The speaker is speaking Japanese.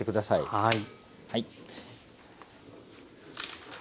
はい。